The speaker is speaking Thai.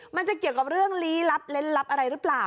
มันจะเกี่ยวกับเรื่องลี้ลับเล่นลับอะไรหรือเปล่า